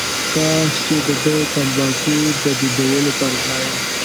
کاش چې دده تنباکو د دودولو پر ځای.